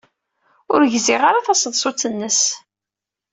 Ur gziɣ ara taseḍsut-nnes.